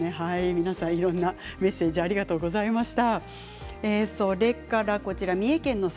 皆さん、いろんなメッセージありがとうございました。